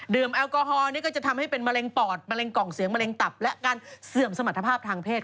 แอลกอฮอลนี่ก็จะทำให้เป็นมะเร็งปอดมะเร็งกล่องเสียงมะเร็งตับและการเสื่อมสมรรถภาพทางเพศ